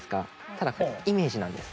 ただイメージなんです。